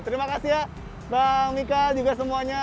terima kasih ya bang mika juga semuanya